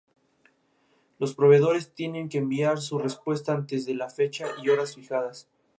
Los proveedores tienen que enviar su respuesta antes de la fecha y hora fijadas.